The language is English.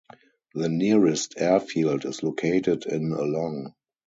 The nearest airfield is located in Along.